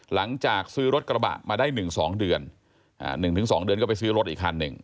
หลังจากซื้อรถกระบะมาได้หนึ่งสองเดือนอ่าหนึ่งถึงสองเดือนก็ไปซื้อรถอีกคันหนึ่ง